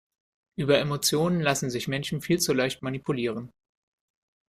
Über Emotionen lassen sich Menschen viel zu leicht manipulieren.